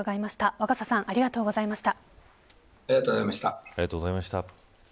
若狭さんありがとうございました。